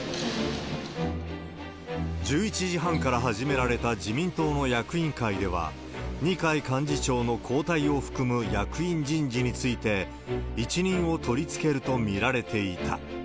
１１時半から始められた自民党の役員会では、二階幹事長の交代を含む役員人事について一任を取り付けると見られていた。